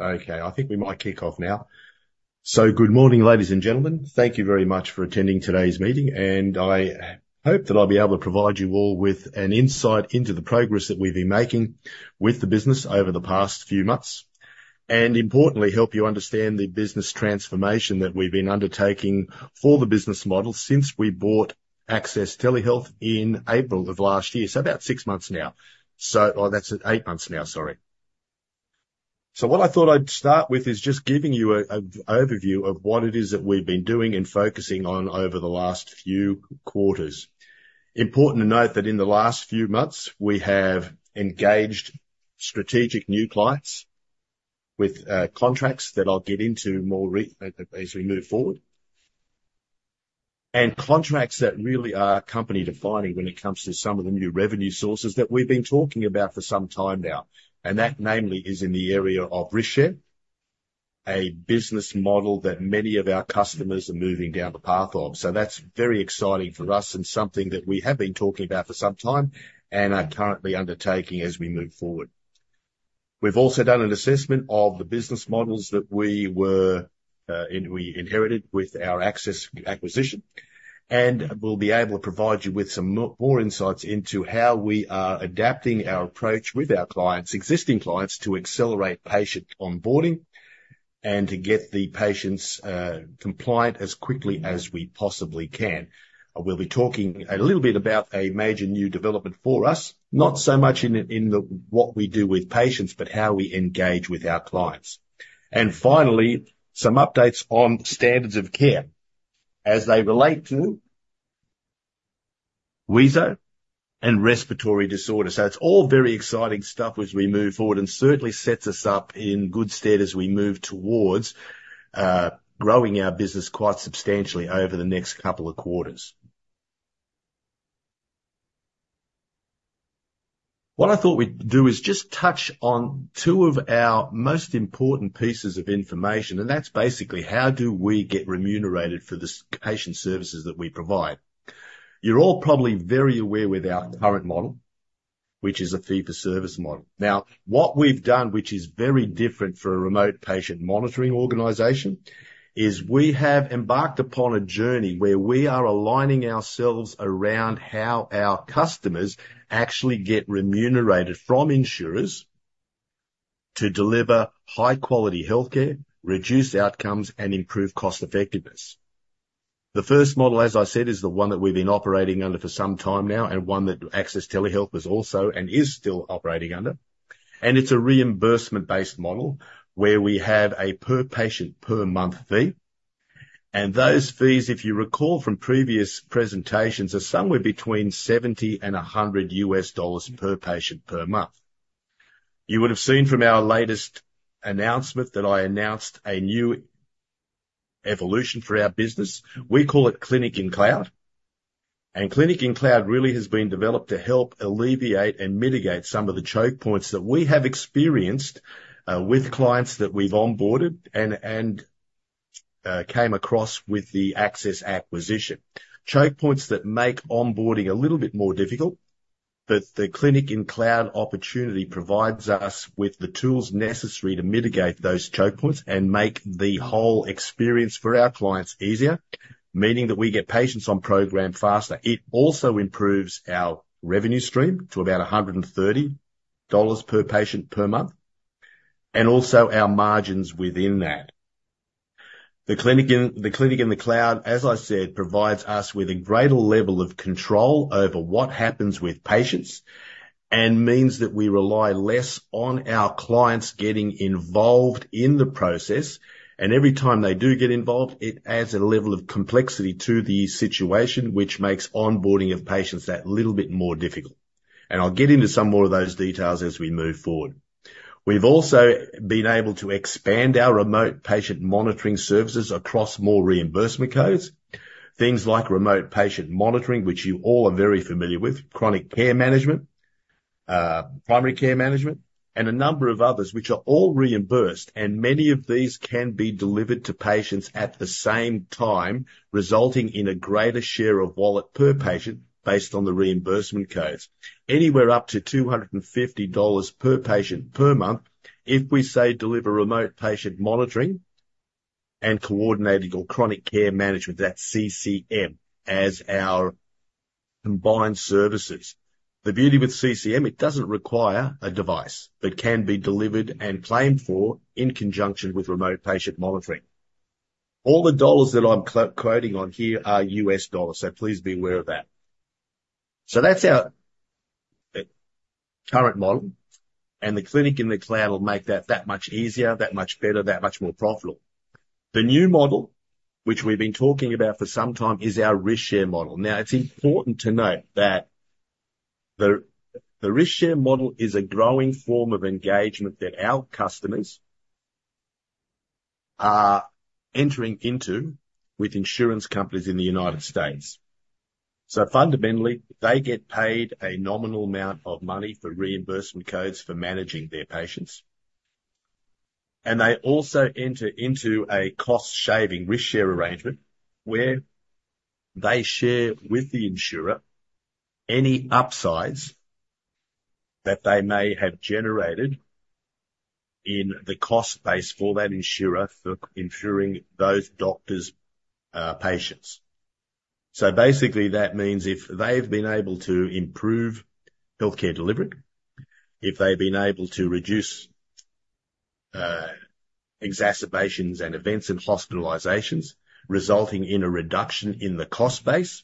Okay, I think we might kick off now. So good morning, ladies and gentlemen. Thank you very much for attending today's meeting, and I hope that I'll be able to provide you all with an insight into the progress that we've been making with the business over the past few months, and importantly, help you understand the business transformation that we've been undertaking for the business model since we bought Access Telehealth in April of last year, so about six months now. Oh, that's eight months now, sorry. So what I thought I'd start with is just giving you an overview of what it is that we've been doing and focusing on over the last few quarters. Important to note that in the last few months we have engaged strategic new clients with contracts that I'll get into more as we move forward, and contracts that really are company-defining when it comes to some of the new revenue sources that we've been talking about for some time now. That namely is in the area of reshare, a business model that many of our customers are moving down the path of. That's very exciting for us and something that we have been talking about for some time and are currently undertaking as we move forward. We've also done an assessment of the business models that we inherited with our Access acquisition, and we'll be able to provide you with some more insights into how we are adapting our approach with our clients, existing clients, to accelerate patient onboarding and to get the patients compliant as quickly as we possibly can. We'll be talking a little bit about a major new development for us, not so much in what we do with patients, but how we engage with our clients. Finally, some updates on standards of care as they relate to HIPA and respiratory disorder. It's all very exciting stuff as we move forward and certainly sets us up in good stead as we move towards growing our business quite substantially over the next couple of quarters. What I thought we'd do is just touch on two of our most important pieces of information, and that's basically how do we get remunerated for the patient services that we provide. You're all probably very aware with our current model, which is a fee-for-service model. Now, what we've done, which is very different for a remote patient monitoring organization, is we have embarked upon a journey where we are aligning ourselves around how our customers actually get remunerated from insurers to deliver high-quality healthcare, reduce outcomes, and improve cost-effectiveness. The first model, as I said, is the one that we've been operating under for some time now and one that Access Telehealth is also and is still operating under. And it's a reimbursement-based model where we have a per-patient, per-month fee. Those fees, if you recall from previous presentations, are somewhere between $70 to $100 per patient per month. You would have seen from our latest announcement that I announced a new evolution for our business. We call it Clinic in Cloud. Clinic in Cloud really has been developed to help alleviate and mitigate some of the choke points that we have experienced with clients that we've onboarded and came across with the Access acquisition. Choke points that make onboarding a little bit more difficult, but the Clinic in Cloud opportunity provides us with the tools necessary to mitigate those choke points and make the whole experience for our clients easier, meaning that we get patients on program faster. It also improves our revenue stream to about $130 per patient per month and also our margins within that. The Clinic in the Cloud, as I said, provides us with a greater level of control over what happens with patients and means that we rely less on our clients getting involved in the process. Every time they do get involved, it adds a level of complexity to the situation, which makes onboarding of patients that little bit more difficult. I'll get into some more of those details as we move forward. We've also been able to expand our remote patient monitoring services across more reimbursement codes. Things like remote patient monitoring, which you all are very familiar with, chronic care management, primary care management, and a number of others, which are all reimbursed. Many of these can be delivered to patients at the same time, resulting in a greater share of wallet per patient based on the reimbursement codes, anywhere up to $250 per patient per month if we say deliver remote patient monitoring and coordinated or chronic care management, that's CCM, as our combined services. The beauty with CCM, it doesn't require a device but can be delivered and claimed for in conjunction with remote patient monitoring. All the dollars that I'm quoting on here are US dollars, so please be aware of that. That's our current model. The Clinic in the Cloud will make that that much easier, that much better, that much more profitable. The new model, which we've been talking about for some time, is our reshare model. Now, it's important to note that the reshare model is a growing form of engagement that our customers are entering into with insurance companies in the United States. So fundamentally, they get paid a nominal amount of money for reimbursement codes for managing their patients. And they also enter into a cost-sharing reshare arrangement where they share with the insurer any upsides that they may have generated in the cost base for that insurer for insuring those doctors' patients. So basically, that means if they've been able to improve healthcare delivery, if they've been able to reduce exacerbations and events and hospitalizations resulting in a reduction in the cost base,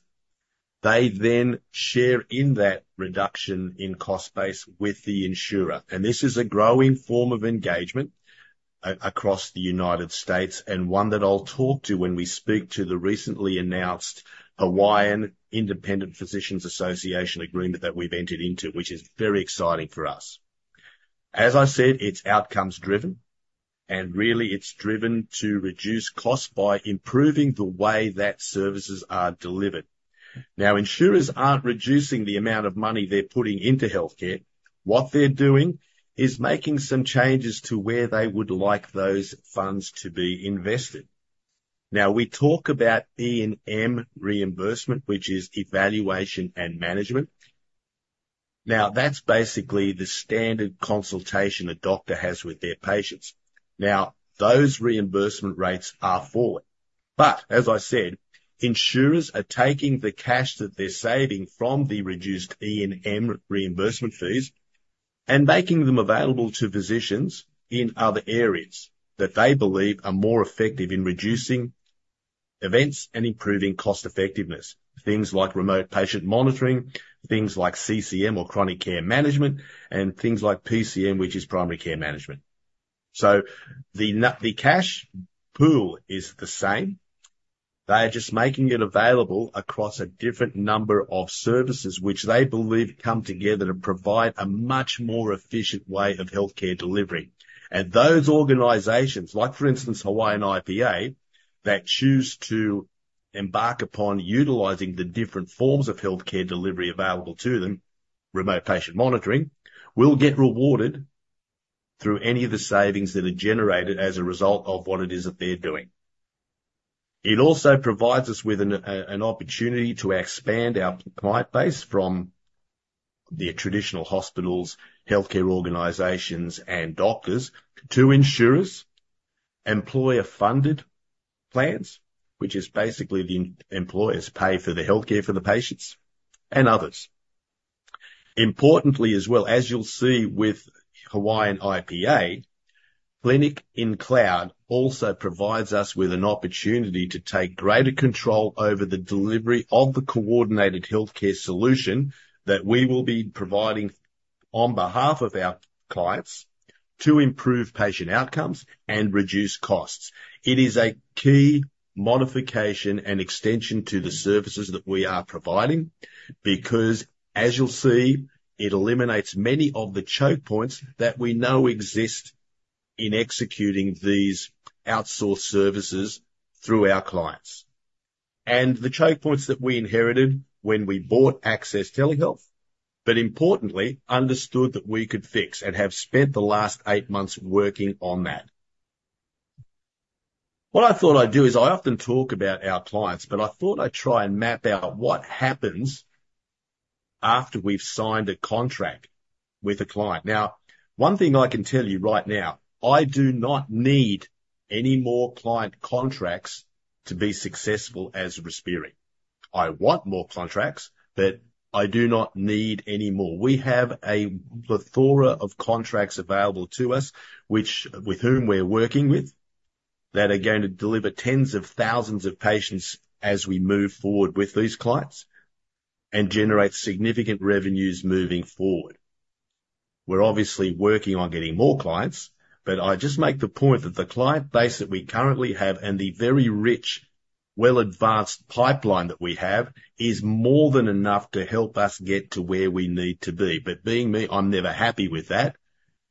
they then share in that reduction in cost base with the insurer. This is a growing form of engagement across the United States and one that I'll talk to when we speak to the recently announced Hawaiian Independent Physicians Association agreement that we've entered into, which is very exciting for us. As I said, it's outcomes-driven. And really, it's driven to reduce costs by improving the way that services are delivered. Now, insurers aren't reducing the amount of money they're putting into healthcare. What they're doing is making some changes to where they would like those funds to be invested. Now, we talk about E&M reimbursement, which is evaluation and management. Now, that's basically the standard consultation a doctor has with their patients. Now, those reimbursement rates are falling. But as I said, insurers are taking the cash that they're saving from the reduced E&M reimbursement fees and making them available to physicians in other areas that they believe are more effective in reducing events and improving cost-effectiveness, things like remote patient monitoring, things like CCM or chronic care management, and things like PCM, which is primary care management. So the cash pool is the same. They are just making it available across a different number of services, which they believe come together to provide a much more efficient way of healthcare delivery. And those organizations, like for instance, HIPA, that choose to embark upon utilizing the different forms of healthcare delivery available to them, remote patient monitoring, will get rewarded through any of the savings that are generated as a result of what it is that they're doing. It also provides us with an opportunity to expand our client base from the traditional hospitals, healthcare organizations, and doctors to insurers, employer-funded plans, which is basically the employers pay for the healthcare for the patients, and others. Importantly as well, as you'll see with Hawaiian IPA, Clinic in Cloud also provides us with an opportunity to take greater control over the delivery of the coordinated healthcare solution that we will be providing on behalf of our clients to improve patient outcomes and reduce costs. It is a key modification and extension to the services that we are providing because, as you'll see, it eliminates many of the choke points that we know exist in executing these outsourced services through our clients. The choke points that we inherited when we bought Access Telehealth, but importantly, understood that we could fix and have spent the last eight months working on that. What I thought I'd do is I often talk about our clients, but I thought I'd try and map out what happens after we've signed a contract with a client. Now, one thing I can tell you right now, I do not need any more client contracts to be successful as Respiri. I want more contracts, but I do not need any more. We have a plethora of contracts available to us with whom we're working with that are going to deliver tens of thousands of patients as we move forward with these clients and generate significant revenues moving forward. We're obviously working on getting more clients, but I just make the point that the client base that we currently have and the very rich, well-advanced pipeline that we have is more than enough to help us get to where we need to be. But being me, I'm never happy with that.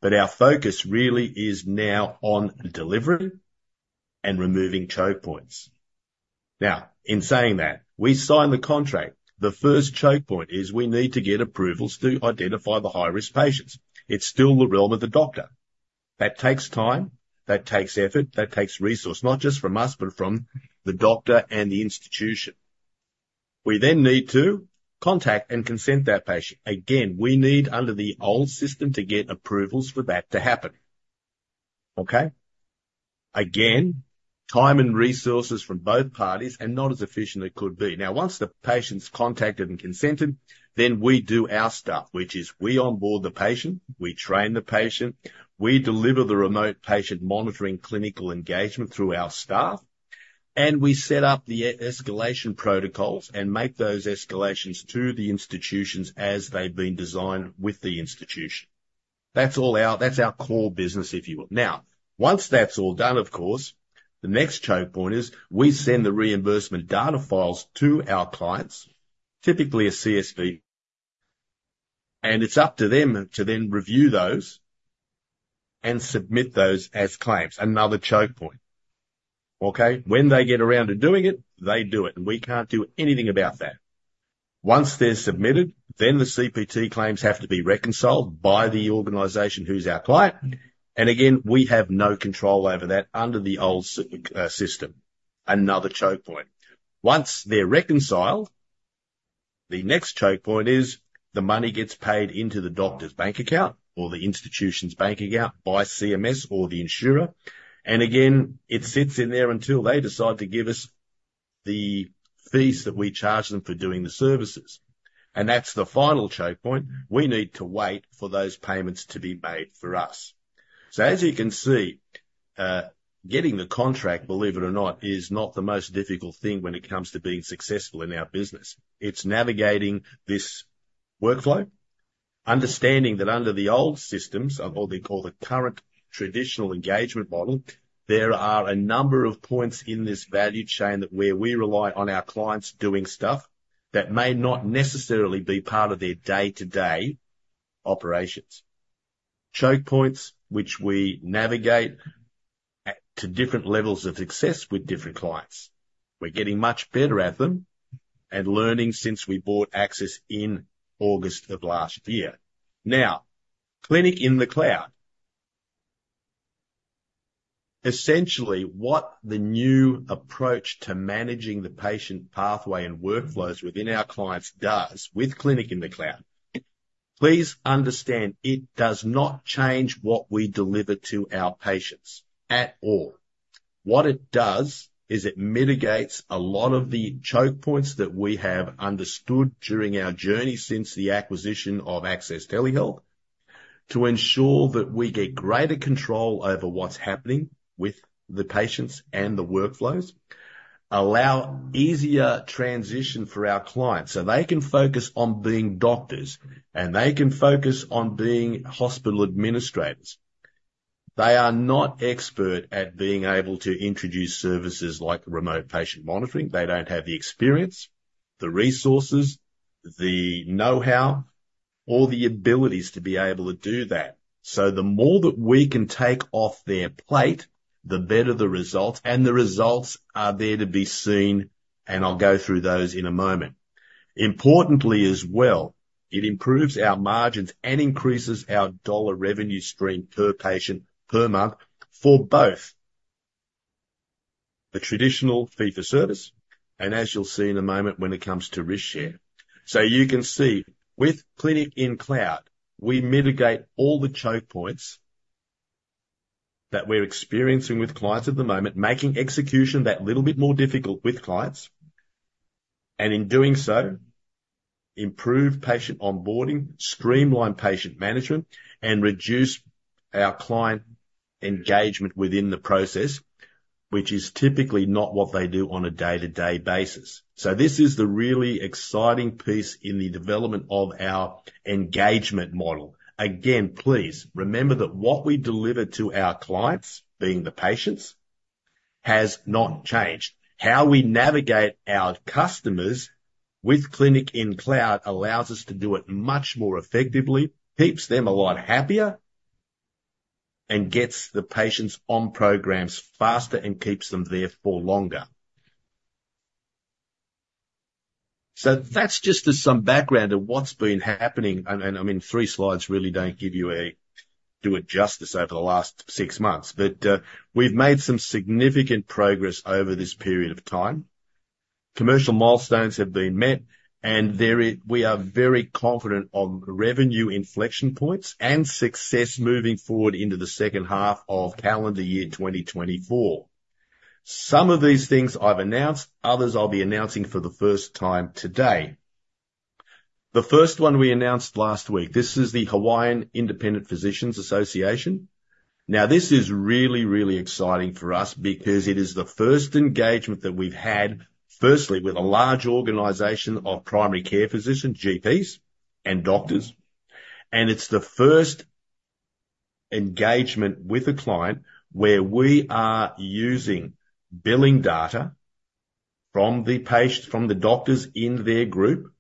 But our focus really is now on delivery and removing choke points. Now, in saying that, we sign the contract. The first choke point is we need to get approvals to identify the high-risk patients. It's still the realm of the doctor. That takes time. That takes effort. That takes resource, not just from us, but from the doctor and the institution. We then need to contact and consent that patient. Again, we need, under the old system, to get approvals for that to happen. Okay? Again, time and resources from both parties and not as efficiently as could be. Now, once the patient's contacted and consented, then we do our stuff, which is we onboard the patient, we train the patient, we deliver the remote patient monitoring clinical engagement through our staff, and we set up the escalation protocols and make those escalations to the institutions as they've been designed with the institution. That's our core business, if you will. Now, once that's all done, of course, the next choke point is we send the reimbursement data files to our clients, typically a CSV, and it's up to them to then review those and submit those as claims, another choke point. Okay? When they get around to doing it, they do it, and we can't do anything about that. Once they're submitted, then the CPT claims have to be reconciled by the organization who's our client. And again, we have no control over that under the old system, another choke point. Once they're reconciled, the next choke point is the money gets paid into the doctor's bank account or the institution's bank account by CMS or the insurer. And again, it sits in there until they decide to give us the fees that we charge them for doing the services. And that's the final choke point. We need to wait for those payments to be made for us. So as you can see, getting the contract, believe it or not, is not the most difficult thing when it comes to being successful in our business. It's navigating this workflow, understanding that under the old systems of what they call the current traditional engagement model, there are a number of points in this value chain where we rely on our clients doing stuff that may not necessarily be part of their day-to-day operations. Choke points which we navigate to different levels of success with different clients. We're getting much better at them and learning since we bought Access in August of last year. Now, Clinic in Cloud, essentially, what the new approach to managing the patient pathway and workflows within our clients does with Clinic in Cloud, please understand it does not change what we deliver to our patients at all. What it does is it mitigates a lot of the choke points that we have understood during our journey since the acquisition of Access Telehealth to ensure that we get greater control over what's happening with the patients and the workflows, allow easier transition for our clients so they can focus on being doctors and they can focus on being hospital administrators. They are not expert at being able to introduce services like remote patient monitoring. They don't have the experience, the resources, the know-how, or the abilities to be able to do that. So the more that we can take off their plate, the better the results, and the results are there to be seen, and I'll go through those in a moment. Importantly as well, it improves our margins and increases our dollar revenue stream per patient per month for both the traditional fee-for-service and, as you'll see in a moment, when it comes to reshare. So you can see with Clinic in Cloud, we mitigate all the choke points that we're experiencing with clients at the moment, making execution that little bit more difficult with clients, and in doing so, improve patient onboarding, streamline patient management, and reduce our client engagement within the process, which is typically not what they do on a day-to-day basis. So this is the really exciting piece in the development of our engagement model. Again, please remember that what we deliver to our clients, being the patients, has not changed. How we navigate our customers with Clinic in Cloud allows us to do it much more effectively, keeps them a lot happier, and gets the patients on programs faster and keeps them there for longer. So that's just some background of what's been happening. I mean, three slides really don't do it justice over the last six months, but we've made some significant progress over this period of time. Commercial milestones have been met, and we are very confident of revenue inflection points and success moving forward into the H2 of calendar year 2024. Some of these things I've announced, others I'll be announcing for the first time today. The first one we announced last week, this is the Hawaiian Independent Physicians Association. Now, this is really, really exciting for us because it is the first engagement that we've had, firstly, with a large organization of primary care physicians, GPs, and doctors. It's the first engagement with a client where we are using billing data from the doctors in their group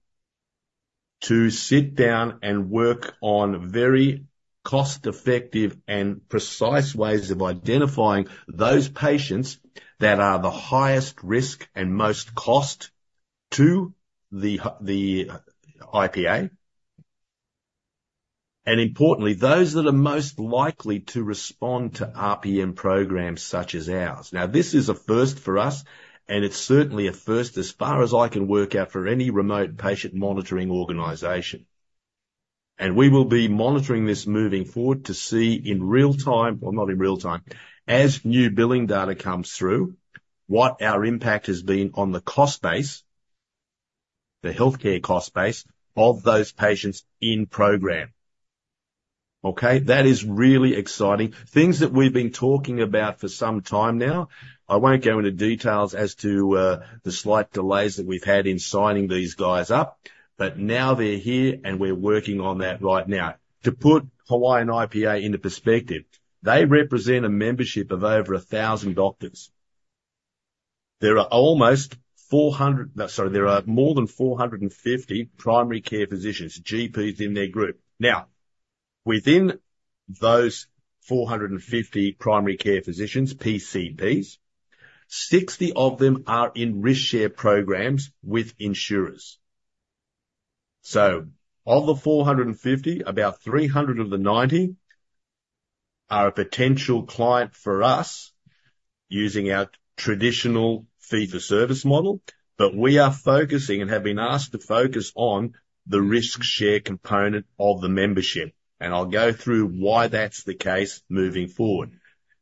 to sit down and work on very cost-effective and precise ways of identifying those patients that are the highest risk and most cost to the IPA, and importantly, those that are most likely to respond to RPM programs such as ours. Now, this is a first for us, and it's certainly a first as far as I can work out for any remote patient monitoring organization. We will be monitoring this moving forward to see in real time, well, not in real time, as new billing data comes through, what our impact has been on the cost base, the healthcare cost base of those patients in program. Okay? That is really exciting. Things that we've been talking about for some time now, I won't go into details as to the slight delays that we've had in signing these guys up, but now they're here, and we're working on that right now. To put HIPA into perspective, they represent a membership of over 1,000 doctors. There are almost 400, sorry, there are more than 450 primary care physicians, GPs in their group. Now, within those 450 primary care physicians, PCPs, 60 of them are in reshare programs with insurers. So of the 450, about 300 of the 90 are a potential client for us using our traditional fee-for-service model, but we are focusing and have been asked to focus on the risk-share component of the membership. I'll go through why that's the case moving forward.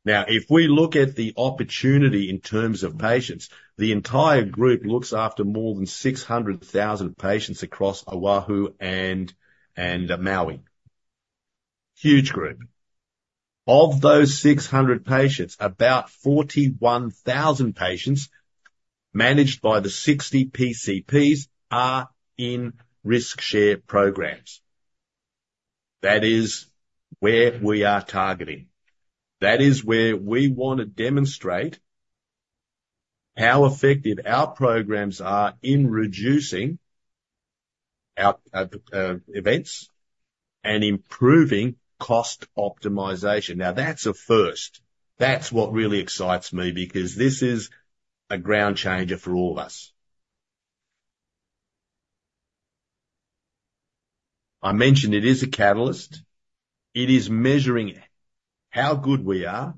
Now, if we look at the opportunity in terms of patients, the entire group looks after more than 600,000 patients across Oahu and Maui, huge group. Of those 600 patients, about 41,000 patients managed by the 60 PCPs are in risk-share programs. That is where we are targeting. That is where we want to demonstrate how effective our programs are in reducing events and improving cost optimization. Now, that's a first. That's what really excites me because this is a ground changer for all of us. I mentioned it is a catalyst. It is measuring how good we are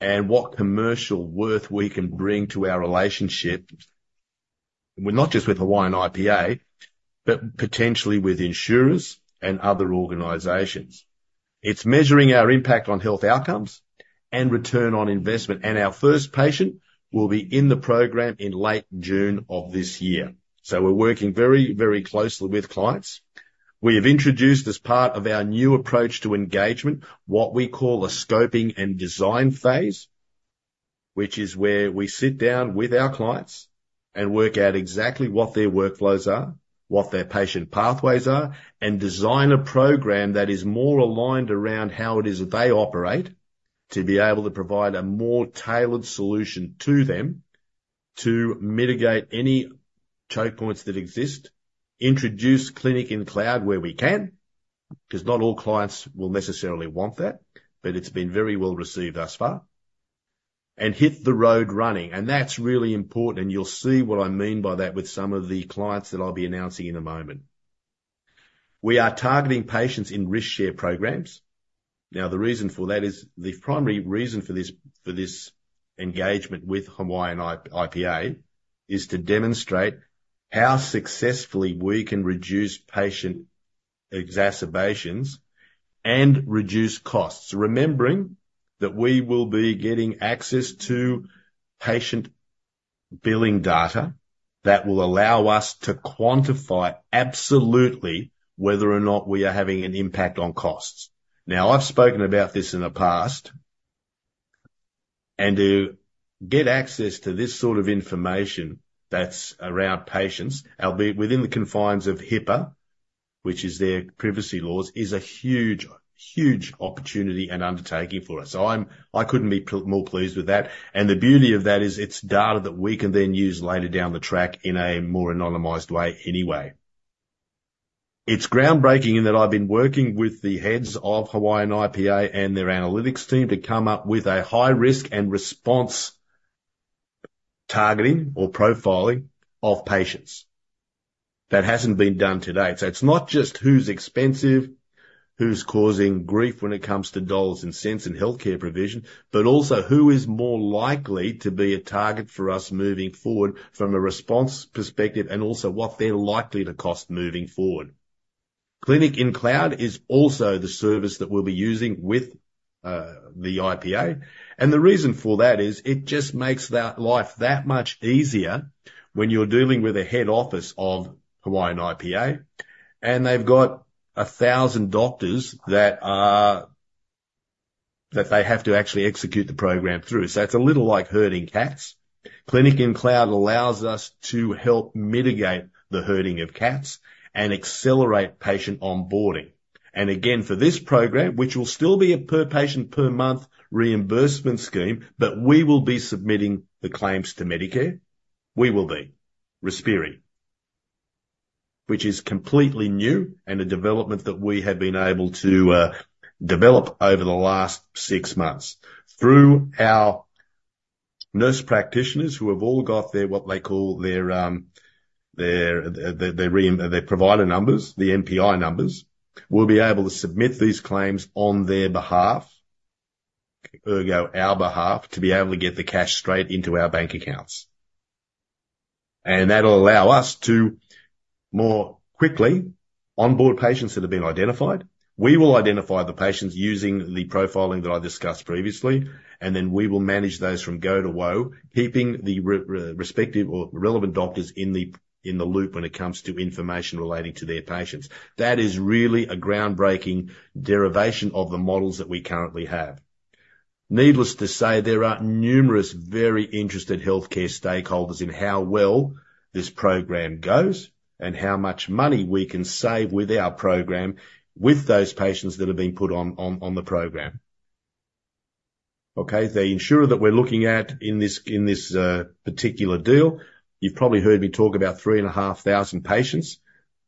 and what commercial worth we can bring to our relationship, not just with HIPA, but potentially with insurers and other organizations. It's measuring our impact on health outcomes and return on investment. Our first patient will be in the program in late June of this year. We're working very, very closely with clients. We have introduced, as part of our new approach to engagement, what we call a scoping and design phase, which is where we sit down with our clients and work out exactly what their workflows are, what their patient pathways are, and design a program that is more aligned around how it is that they operate to be able to provide a more tailored solution to them to mitigate any choke points that exist, introduce Clinic in Cloud where we can because not all clients will necessarily want that, but it's been very well received thus far, and hit the road running. That's really important, and you'll see what I mean by that with some of the clients that I'll be announcing in a moment. We are targeting patients in risk-share programs. Now, the reason for that is the primary reason for this engagement with Hawaiian IPA is to demonstrate how successfully we can reduce patient exacerbations and reduce costs, remembering that we will be getting access to patient billing data that will allow us to quantify absolutely whether or not we are having an impact on costs. Now, I've spoken about this in the past, and to get access to this sort of information that's around patients, albeit within the confines of HIPAA, which is their privacy laws, is a huge, huge opportunity and undertaking for us. So I couldn't be more pleased with that. And the beauty of that is it's data that we can then use later down the track in a more anonymized way anyway. It's groundbreaking in that I've been working with the heads of HIPA and their analytics team to come up with a high-risk and response targeting or profiling of patients. That hasn't been done today. So it's not just who's expensive, who's causing grief when it comes to dollars and cents in healthcare provision, but also who is more likely to be a target for us moving forward from a response perspective and also what they're likely to cost moving forward. Clinic in Cloud is also the service that we'll be using with the HIPA. And the reason for that is it just makes life that much easier when you're dealing with a head office of HIPA, and they've got 1,000 doctors that they have to actually execute the program through. So it's a little like herding cats. Clinic in Cloud allows us to help mitigate the herding of cats and accelerate patient onboarding. And again, for this program, which will still be a per-patient, per-month reimbursement scheme, but we will be submitting the claims to Medicare, we will be Respiri, which is completely new and a development that we have been able to develop over the last six months. Through our nurse practitioners who have all got their what they call their they provide the numbers, the NPI numbers, we'll be able to submit these claims on their behalf, ergo, our behalf, to be able to get the cash straight into our bank accounts. And that'll allow us to more quickly onboard patients that have been identified. We will identify the patients using the profiling that I discussed previously, and then we will manage those from go to wo, keeping the respective or relevant doctors in the loop when it comes to information relating to their patients. That is really a groundbreaking derivation of the models that we currently have. Needless to say, there are numerous very interested healthcare stakeholders in how well this program goes and how much money we can save with our program with those patients that have been put on the program. Okay? The insurer that we're looking at in this particular deal, you've probably heard me talk about 3,500 patients.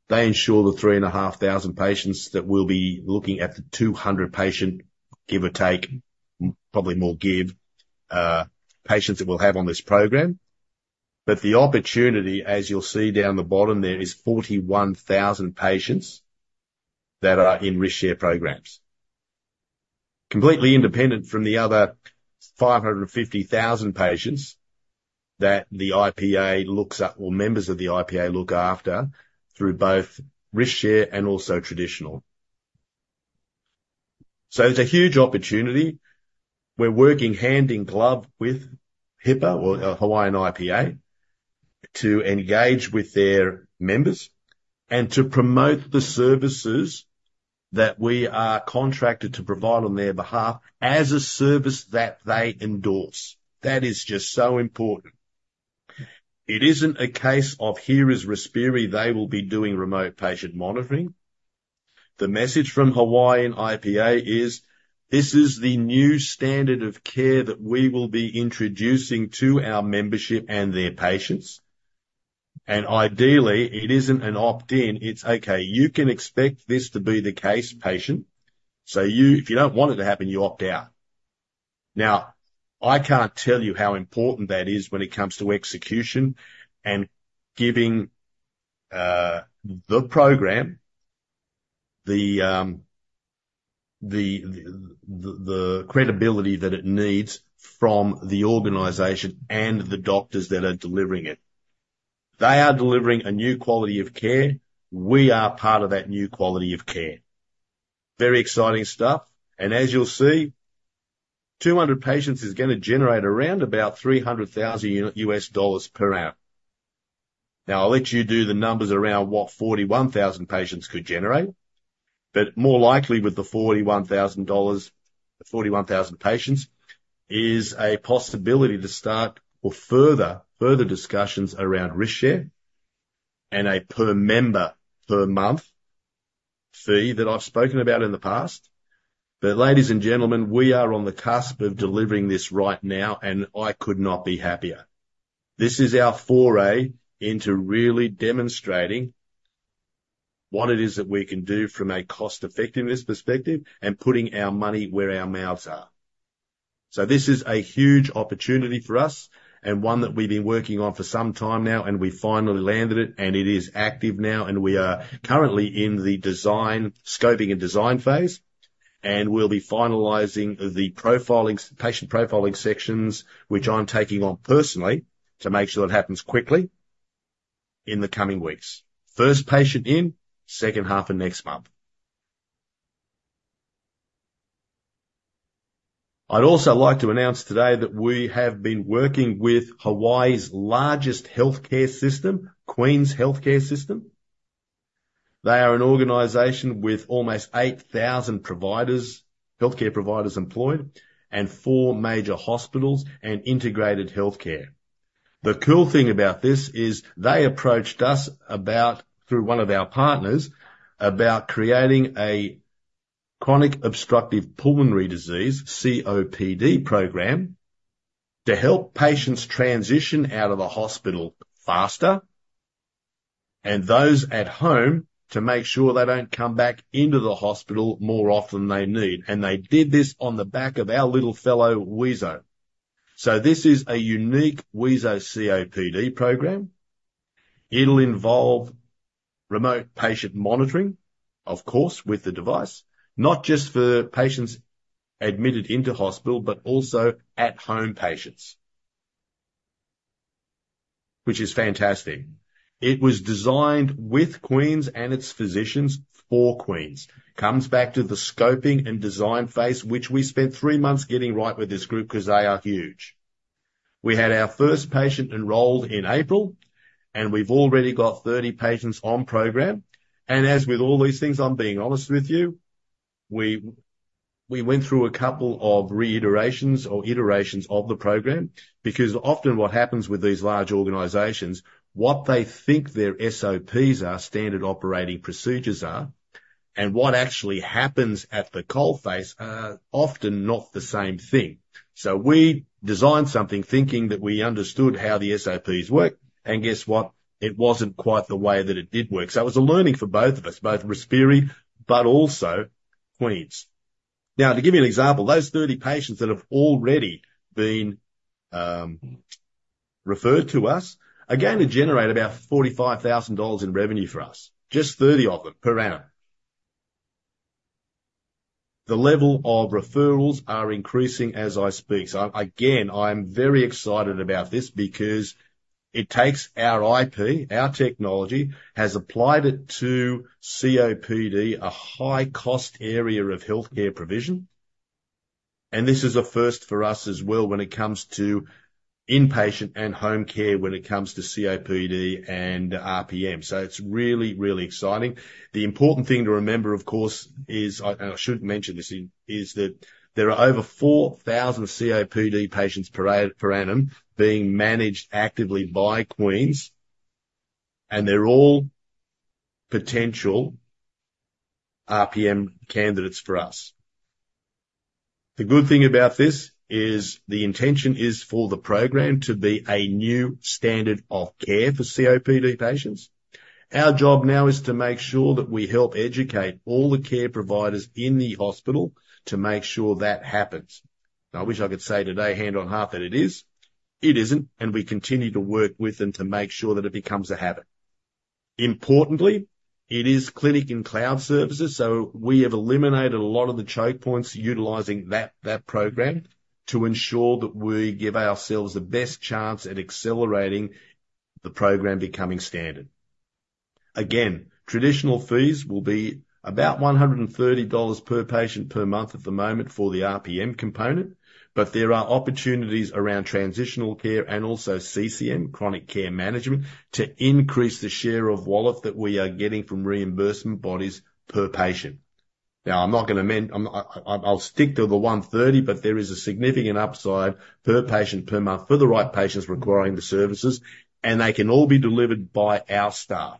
They insure the 3,500 patients that we'll be looking at the 200 patient, give or take, probably more give, patients that we'll have on this program. But the opportunity, as you'll see down the bottom there, is 41,000 patients that are in reshare programs, completely independent from the other 550,000 patients that the IPA looks at or members of the IPA look after through both reshare and also traditional. So it's a huge opportunity. We're working hand in glove with HIP A or Hawaiian IPA to engage with their members and to promote the services that we are contracted to provide on their behalf as a service that they endorse. That is just so important. It isn't a case of, "Here is Respiri. They will be doing remote patient monitoring." The message from Hawaiian IPA is, "This is the new standard of care that we will be introducing to our membership and their patients." And ideally, it isn't an opt-in. It's, "Okay. You can expect this to be the case, patient. So if you don't want it to happen, you opt out." Now, I can't tell you how important that is when it comes to execution and giving the program the credibility that it needs from the organization and the doctors that are delivering it. They are delivering a new quality of care. We are part of that new quality of care. Very exciting stuff. And as you'll see, 200 patients is going to generate around about $300,000 per hour. Now, I'll let you do the numbers around what 41,000 patients could generate, but more likely with the 41,000 patients is a possibility to start or further discussions around reshare and a per-member, per-month fee that I've spoken about in the past. But ladies and gentlemen, we are on the cusp of delivering this right now, and I could not be happier. This is our foray into really demonstrating what it is that we can do from a cost-effectiveness perspective and putting our money where our mouths are. So this is a huge opportunity for us and one that we've been working on for some time now, and we finally landed it, and it is active now. We are currently in the scoping and design phase, and we'll be finalizing the patient profiling sections, which I'm taking on personally to make sure it happens quickly in the coming weeks. First patient in, H2 of next month. I'd also like to announce today that we have been working with Hawaii's largest healthcare system, Queen's Healthcare System. They are an organization with almost 8,000 healthcare providers employed and four major hospitals and integrated healthcare. The cool thing about this is they approached us through one of our partners about creating a chronic obstructive pulmonary disease, COPD, program to help patients transition out of the hospital faster and those at home to make sure they don't come back into the hospital more often than they need. They did this on the back of our little fellow Wheezo. This is a unique Wheezo COPD program. It'll involve remote patient monitoring, of course, with the device, not just for patients admitted into hospital but also at-home patients, which is fantastic. It was designed with Queen's and its physicians for Queen's. Comes back to the scoping and design phase, which we spent three months getting right with this group because they are huge. We had our first patient enrolled in April, and we've already got 30 patients on program. As with all these things, I'm being honest with you, we went through a couple of reiterations or iterations of the program because often what happens with these large organizations, what they think their SOPs are, standard operating procedures are, and what actually happens at the cold phase are often not the same thing. So we designed something thinking that we understood how the SOPs work, and guess what? It wasn't quite the way that it did work. So it was a learning for both of us, both Respiri but also Queen's. Now, to give you an example, those 30 patients that have already been referred to us, again, to generate about $45,000 in revenue for us, just 30 of them per hour. The level of referrals are increasing as I speak. So again, I'm very excited about this because it takes our IP, our technology, has applied it to COPD, a high-cost area of healthcare provision. And this is a first for us as well when it comes to inpatient and home care when it comes to COPD and RPM. So it's really, really exciting. The important thing to remember, of course, is - and I shouldn't mention this - is that there are over 4,000 COPD patients per annum being managed actively by Queen's, and they're all potential RPM candidates for us. The good thing about this is the intention is for the program to be a new standard of care for COPD patients. Our job now is to make sure that we help educate all the care providers in the hospital to make sure that happens. I wish I could say today, hand on heart, that it is. It isn't, and we continue to work with them to make sure that it becomes a habit. Importantly, it is Clinic in Cloud services. We have eliminated a lot of the choke points utilizing that program to ensure that we give ourselves the best chance at accelerating the program becoming standard. Again, traditional fees will be about $130 per patient per month at the moment for the RPM component, but there are opportunities around transitional care and also CCM, chronic care management, to increase the share of wallet that we are getting from reimbursement bodies per patient. Now, I'm not going to mention. I'll stick to the 130, but there is a significant upside per patient per month for the right patients requiring the services, and they can all be delivered by our staff.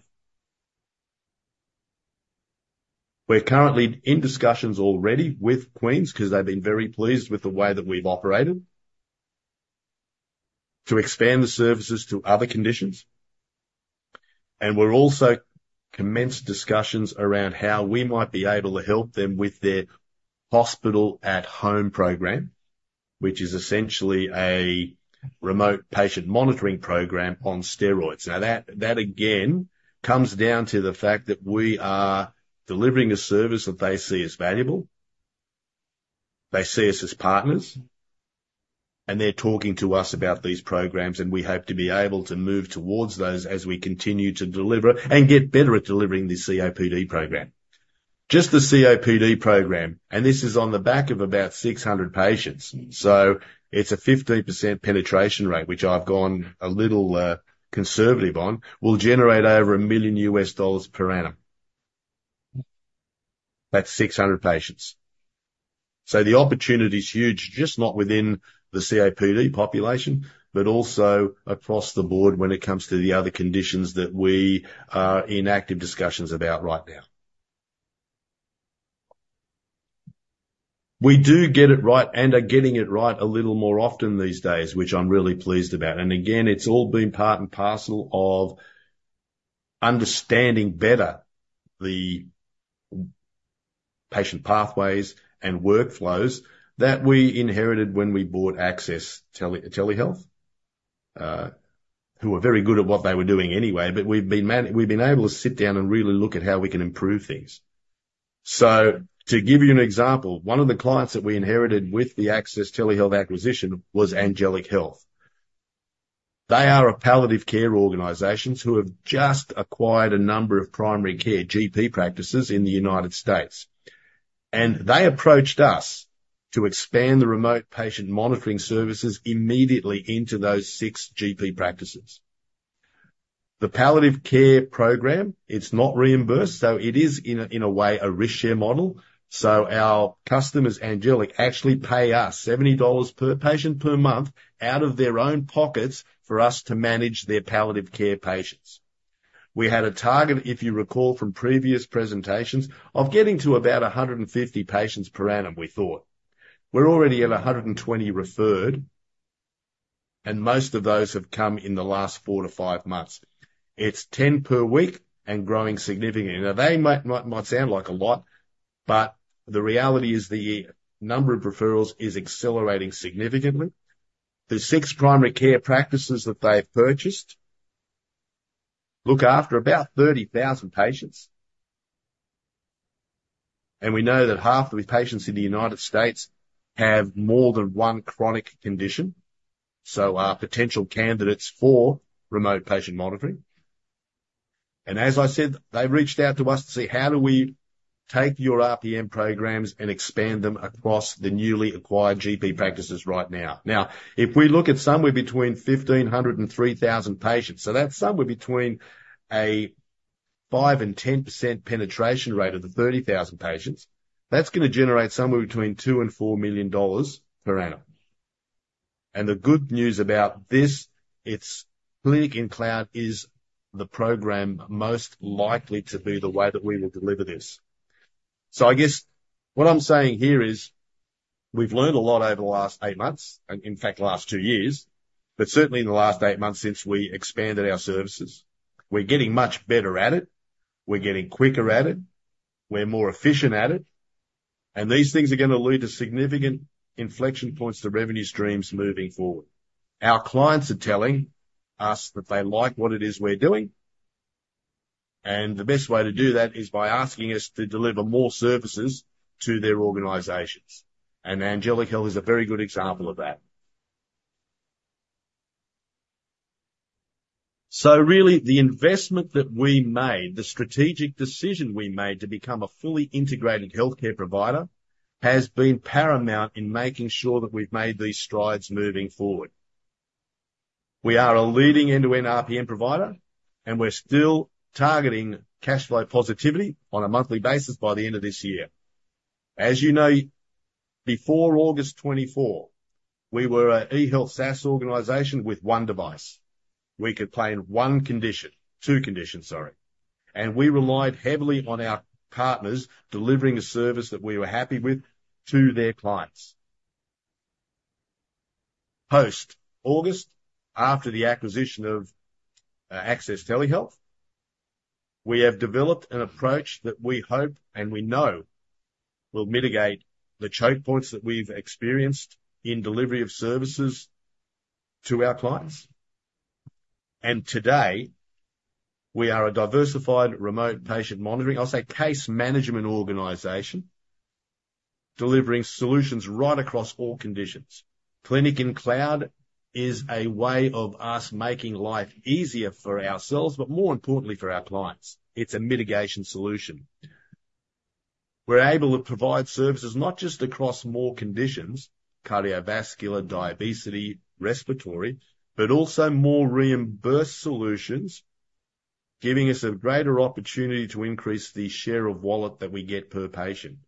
We're currently in discussions already with Queen's because they've been very pleased with the way that we've operated to expand the services to other conditions. We're also commenced discussions around how we might be able to help them with their hospital-at-home program, which is essentially a remote patient monitoring program on steroids. Now, that, again, comes down to the fact that we are delivering a service that they see as valuable. They see us as partners, and they're talking to us about these programs, and we hope to be able to move towards those as we continue to deliver and get better at delivering the COPD program. Just the COPD program - and this is on the back of about 600 patients, so it's a 15% penetration rate, which I've gone a little conservative on - will generate over $1 million per annum. That's 600 patients. So the opportunity's huge, just not within the COPD population but also across the board when it comes to the other conditions that we are in active discussions about right now. We do get it right and are getting it right a little more often these days, which I'm really pleased about. And again, it's all been part and parcel of understanding better the patient pathways and workflows that we inherited when we bought Access Telehealth, who were very good at what they were doing anyway, but we've been able to sit down and really look at how we can improve things. So to give you an example, one of the clients that we inherited with the Access Telehealth acquisition was Angelic Health. They are a palliative care organization who have just acquired a number of primary care GP practices in the United States. And they approached us to expand the remote patient monitoring services immediately into those six GP practices. The palliative care program, it's not reimbursed, so it is, in a way, a reshare model. So our customers, Angelic, actually pay us $70 per patient per month out of their own pockets for us to manage their palliative care patients. We had a target, if you recall from previous presentations, of getting to about 150 patients per annum, we thought. We're already at 120 referred, and most of those have come in the last four to five to five months. It's 10 per week and growing significantly. Now, they might sound like a lot, but the reality is the number of referrals is accelerating significantly. The six primary care practices that they've purchased look after about 30,000 patients. We know that half of the patients in the United States have more than one chronic condition, so are potential candidates for remote patient monitoring. As I said, they've reached out to us to see, "How do we take your RPM programs and expand them across the newly acquired GP practices right now?" Now, if we look at somewhere between 1,500 to 3,000 patients - so that's somewhere between a 5% to 10% penetration rate of the 30,000 patients - that's going to generate somewhere between $2 million to $4 million per annum. The good news about this, it's Clinic in Cloud is the program most likely to be the way that we will deliver this. So I guess what I'm saying here is we've learned a lot over the last eight months and, in fact, last two years, but certainly in the last eight months since we expanded our services. We're getting much better at it. We're getting quicker at it. We're more efficient at it. And these things are going to lead to significant inflection points to revenue streams moving forward. Our clients are telling us that they like what it is we're doing, and the best way to do that is by asking us to deliver more services to their organizations. And Angelic Health is a very good example of that. So really, the investment that we made, the strategic decision we made to become a fully integrated healthcare provider, has been paramount in making sure that we've made these strides moving forward. We are a leading end-to-end RPM provider, and we're still targeting cashflow positivity on a monthly basis by the end of this year. As you know, before August 2023, we were an e-health SaaS organization with one device. We could play in one condition, two conditions, sorry. We relied heavily on our partners delivering a service that we were happy with to their clients. Post August 2023, after the acquisition of Access Telehealth, we have developed an approach that we hope and we know will mitigate the choke points that we've experienced in delivery of services to our clients. Today, we are a diversified remote patient monitoring - I'll say - case management organization delivering solutions right across all conditions. Clinic in Cloud is a way of us making life easier for ourselves but, more importantly, for our clients. It's a mitigation solution. We're able to provide services not just across more conditions—cardiovascular, diabetes, respiratory—but also more reimbursed solutions, giving us a greater opportunity to increase the share of wallet that we get per patient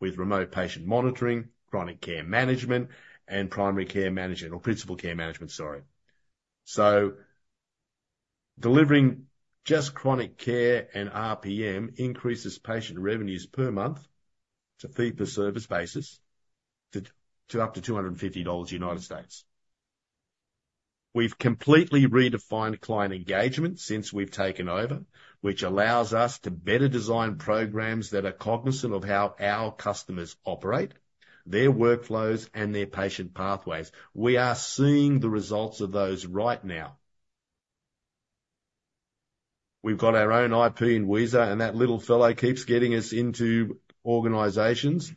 with remote patient monitoring, chronic care management, and primary care management or principal care management, sorry. So delivering just chronic care and RPM increases patient revenues per month to fee-for-service basis to up to $250 United States. We've completely redefined client engagement since we've taken over, which allows us to better design programs that are cognizant of how our customers operate, their workflows, and their patient pathways. We are seeing the results of those right now. We've got our own IP in Wheezo, and that little fellow keeps getting us into organizations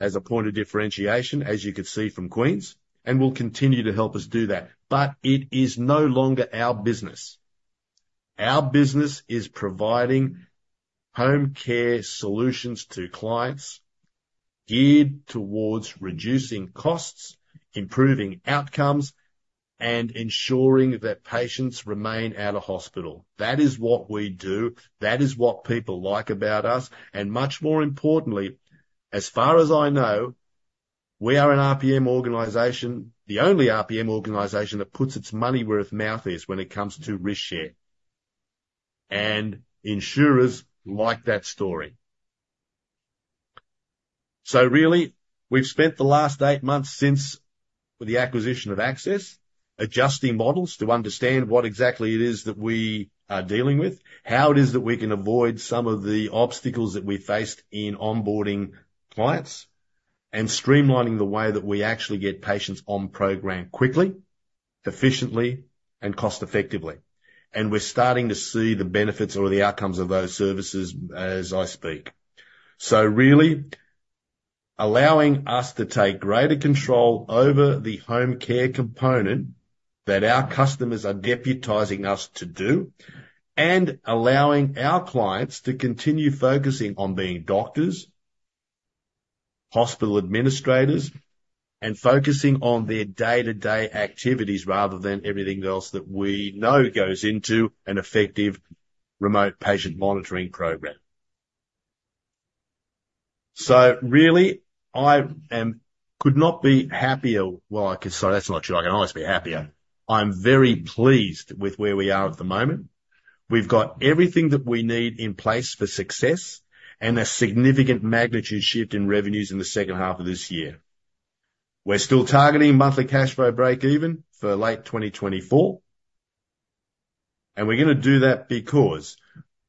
as a point of differentiation, as you could see from Queen's, and will continue to help us do that. But it is no longer our business. Our business is providing home care solutions to clients geared towards reducing costs, improving outcomes, and ensuring that patients remain out of hospital. That is what we do. That is what people like about us. And much more importantly, as far as I know, we are an RPM organization, the only RPM organization that puts its money where its mouth is when it comes to risk-share. And insurers like that story. So really, we've spent the last eight months since the acquisition of Access adjusting models to understand what exactly it is that we are dealing with, how it is that we can avoid some of the obstacles that we faced in onboarding clients, and streamlining the way that we actually get patients on program quickly, efficiently, and cost-effectively. We're starting to see the benefits or the outcomes of those services as I speak. So really, allowing us to take greater control over the home care component that our customers are deputizing us to do and allowing our clients to continue focusing on being doctors, hospital administrators, and focusing on their day-to-day activities rather than everything else that we know goes into an effective remote patient monitoring program. So really, I could not be happier well, I could sorry, that's not true. I can always be happier. I'm very pleased with where we are at the moment. We've got everything that we need in place for success and a significant magnitude shift in revenues in the H2 of this year. We're still targeting monthly cashflow breakeven for late 2024, and we're going to do that because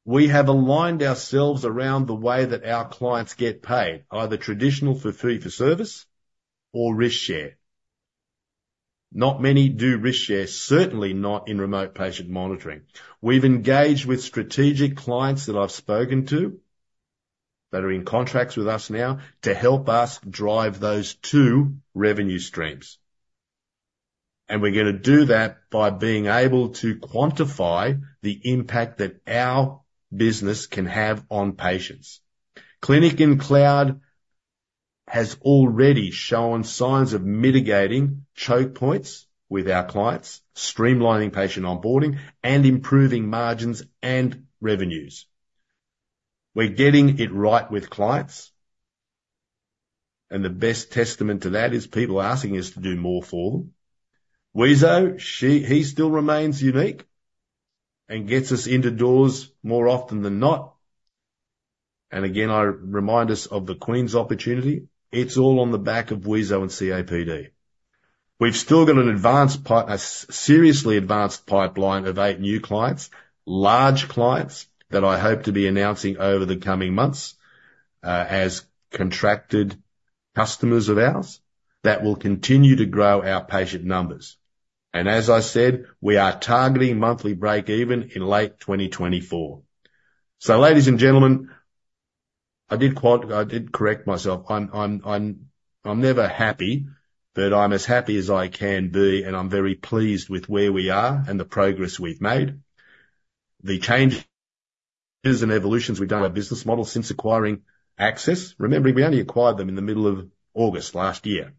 we have aligned ourselves around the way that our clients get paid, either traditional fee-for-service or reshare. Not many do reshare, certainly not in remote patient monitoring. We've engaged with strategic clients that I've spoken to that are in contracts with us now to help us drive those two revenue streams. And we're going to do that by being able to quantify the impact that our business can have on patients. Clinic in Cloud has already shown signs of mitigating choke points with our clients, streamlining patient onboarding, and improving margins and revenues. We're getting it right with clients, and the best testament to that is people asking us to do more for them. Wheezo still remains unique and gets us indoors more often than not. I remind us of the Queen's opportunity. It's all on the back of Wheezo and COPD. We've still got a seriously advanced pipeline of eight new clients, large clients that I hope to be announcing over the coming months as contracted customers of ours that will continue to grow our patient numbers. And as I said, we are targeting monthly break even in late 2024. So ladies and gentlemen, I did correct myself. I'm never happy, but I'm as happy as I can be, and I'm very pleased with where we are and the progress we've made, the changes and evolutions we've done in our business model since acquiring Access. Remember, we only acquired them in the middle of August last year.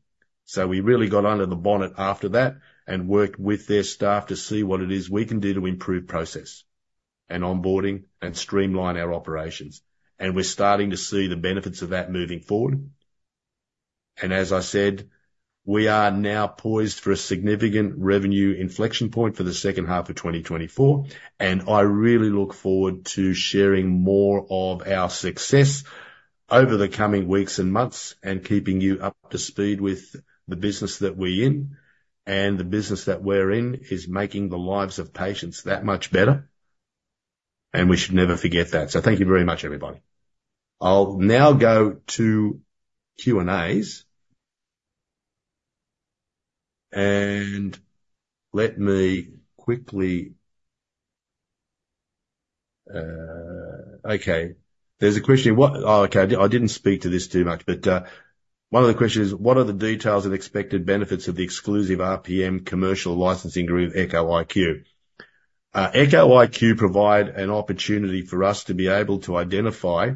So we really got under the bonnet after that and worked with their staff to see what it is we can do to improve process and onboarding and streamline our operations. And we're starting to see the benefits of that moving forward. And as I said, we are now poised for a significant revenue inflection point for the H2 of 2024. And I really look forward to sharing more of our success over the coming weeks and months and keeping you up to speed with the business that we're in. And the business that we're in is making the lives of patients that much better, and we should never forget that. So thank you very much, everybody. I'll now go to Q&As, and let me quickly okay. There's a question here. Oh, okay. I didn't speak to this too much, but one of the questions is, "What are the details and expected benefits of the exclusive RPM commercial licensing group, EchoIQ?" EchoIQ provide an opportunity for us to be able to identify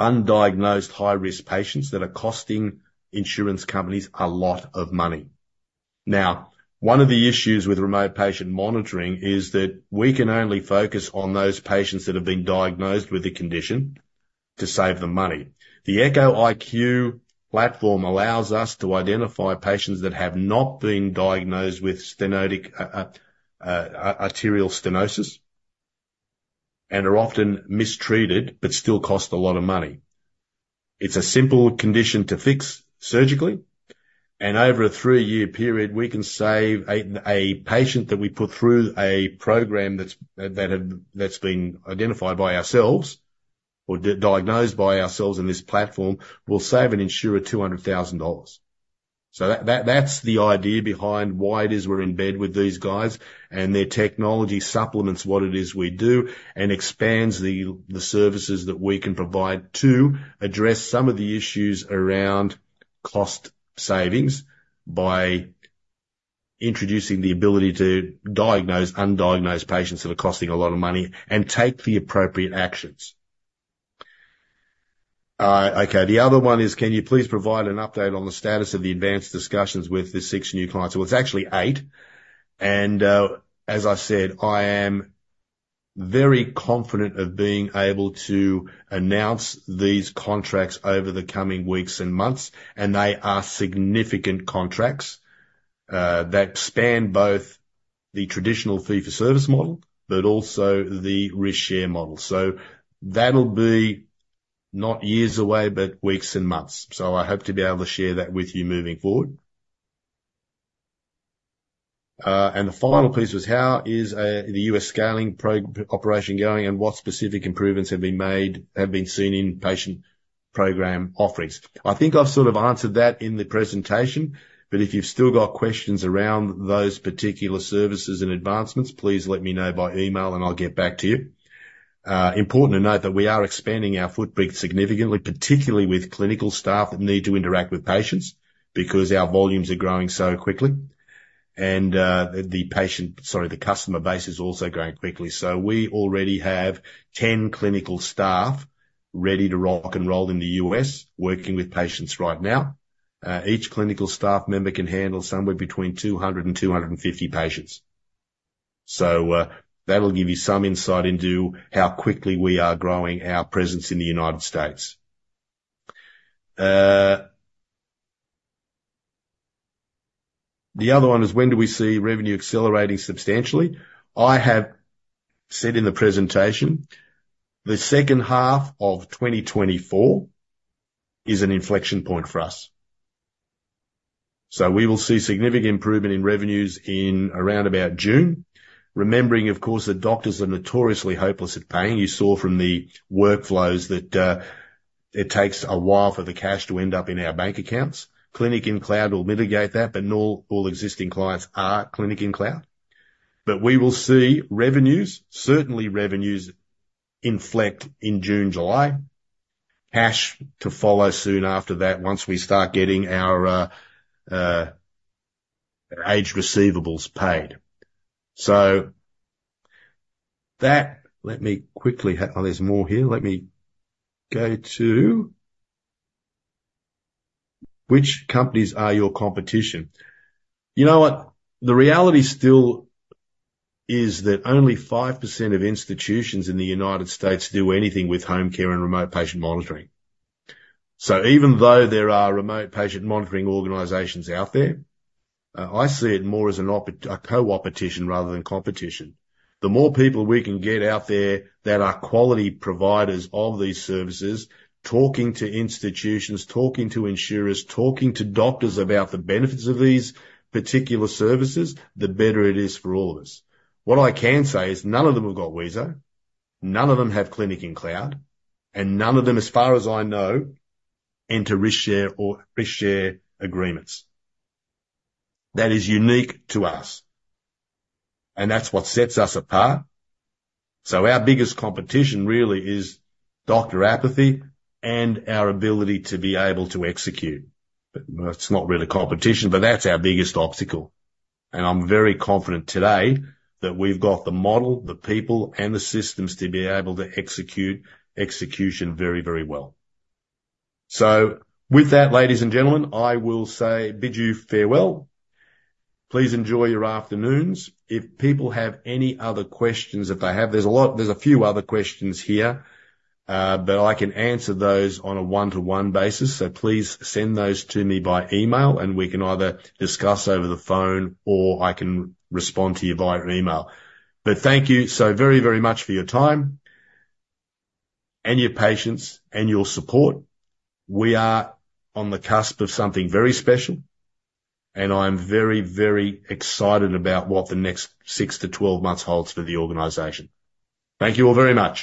undiagnosed high-risk patients that are costing insurance companies a lot of money. Now, one of the issues with remote patient monitoring is that we can only focus on those patients that have been diagnosed with the condition to save them money. The EchoIQ platform allows us to identify patients that have not been diagnosed with aortic stenosis and are often mistreated but still cost a lot of money. It's a simple condition to fix surgically, and over a three-year period, we can save a patient that we put through a program that's been identified by ourselves or diagnosed by ourselves in this platform will save an insurer $200,000. So that's the idea behind why it is we're in bed with these guys, and their technology supplements what it is we do and expands the services that we can provide to address some of the issues around cost savings by introducing the ability to diagnose undiagnosed patients that are costing a lot of money and take the appropriate actions. Okay. The other one is, "Can you please provide an update on the status of the advanced discussions with the 6 new clients?" Well, it's actually eight. And as I said, I am very confident of being able to announce these contracts over the coming weeks and months, and they are significant contracts that span both the traditional fee-for-service model but also the risk-share model. So that'll be not years away but weeks and months. So I hope to be able to share that with you moving forward. The final piece was, "How is the U.S. scaling operation going, and what specific improvements have been seen in patient program offerings?" I think I've sort of answered that in the presentation, but if you've still got questions around those particular services and advancements, please let me know by email, and I'll get back to you. Important to note that we are expanding our footprint significantly, particularly with clinical staff that need to interact with patients because our volumes are growing so quickly. The patient—sorry, the customer base is also growing quickly. We already have 10 clinical staff ready to rock and roll in the U.S. working with patients right now. Each clinical staff member can handle somewhere between 200 to 250 patients. That'll give you some insight into how quickly we are growing our presence in the United States. The other one is, "When do we see revenue accelerating substantially?" I have said in the presentation, the H2 of 2024 is an inflection point for us. So we will see significant improvement in revenues around about June, remembering, of course, that doctors are notoriously hopeless at paying. You saw from the workflows that it takes a while for the cash to end up in our bank accounts. Clinic in Cloud will mitigate that, but all existing clients are Clinic in Cloud. But we will see revenues, certainly revenues, inflect in June, July, cash to follow soon after that once we start getting our aged receivables paid. So let me quickly, oh, there's more here. Let me go to, "Which companies are your competition?" You know what? The reality still is that only 5% of institutions in the United States do anything with home care and remote patient monitoring. So even though there are remote patient monitoring organizations out there, I see it more as a co-opetition rather than competition. The more people we can get out there that are quality providers of these services, talking to institutions, talking to insurers, talking to doctors about the benefits of these particular services, the better it is for all of us. What I can say is none of them have got Wheezo, none of them have Clinic in Cloud, and none of them, as far as I know, enter reshare agreements. That is unique to us, and that's what sets us apart. So our biggest competition really is doctor apathy and our ability to be able to execute. It's not really competition, but that's our biggest obstacle. I'm very confident today that we've got the model, the people, and the systems to be able to execute execution very, very well. So with that, ladies and gentlemen, I will say bid you farewell. Please enjoy your afternoons. If people have any other questions that they have, there's a few other questions here, but I can answer those on a one-to-one basis. So please send those to me by email, and we can either discuss over the phone or I can respond to you via email. But thank you so very, very much for your time and your patience and your support. We are on the cusp of something very special, and I'm very, very excited about what the next six to 12 months holds for the organization. Thank you all very much.